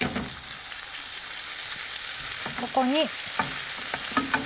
ここに。